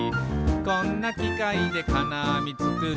「こんなきかいでかなあみつくる」